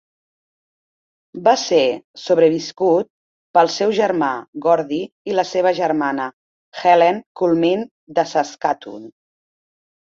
Va ser sobreviscut pel seu germà Gordie i la seva germana Helen Cummine de Saskatoon.